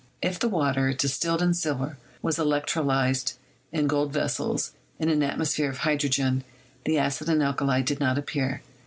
If the water, distilled in silver, was electrolyzed in gold vessels, in an atmosphere of hydrogen, the acid and alkali did not appear.